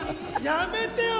やめてよ